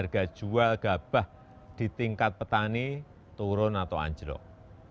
ini juga bisa membuat harga jual gabah di tingkat petani turun atau anjlok